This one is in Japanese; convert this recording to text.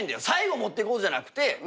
最後持ってこうじゃなくて。